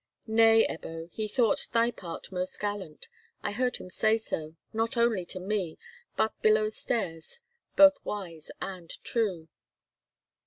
"Nay, Ebbo, he thought thy part most gallant. I heard him say so, not only to me, but below stairs—both wise and true.